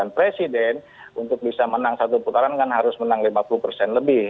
dan presiden untuk bisa menang satu putaran kan harus menang lima puluh persen lebih